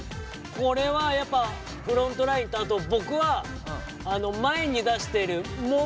これはやっぱフロントラインとあと僕は前に出してる「もも」もとても。